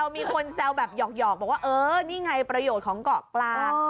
มีคนแซวแบบหยอกบอกว่าเออนี่ไงประโยชน์ของเกาะกลาง